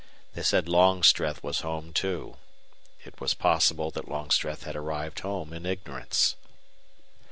They said Longstreth was home, too. It was possible that Longstreth had arrived home in ignorance.